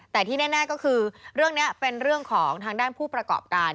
แต่ที่แน่ก็คือเรื่องนี้เป็นเรื่องของทางด้านผู้ประกอบการ